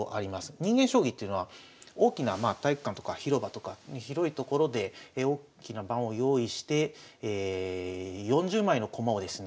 人間将棋っていうのは大きなまあ体育館とか広場とか広い所で大きな盤を用意して４０枚の駒をですね